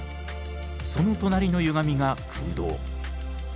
その隣のゆがみが空洞。